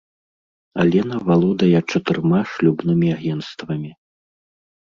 Алена валодае чатырма шлюбнымі агенцтвамі.